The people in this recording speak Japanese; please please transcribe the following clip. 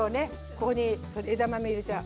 ここに枝豆入れちゃう。